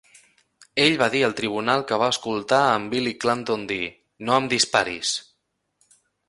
Ell va dir al tribunal que va escoltar a en Billy Clanton dir: no em disparis.